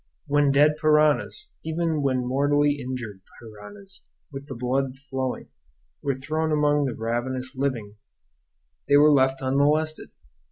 When dead piranhas, and even when mortally injured piranhas, with the blood flowing, were thrown among the ravenous living, they were left unmolested.